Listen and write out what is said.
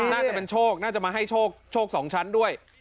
น่าจะเป็นโชคน่าจะมาให้โชค๒ชั้นด้วย